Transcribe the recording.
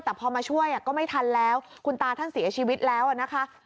แต่พอมาช่วยก็ไม่ทันแล้วคุณตาท่านเสียชีวิตแล้วนะคะ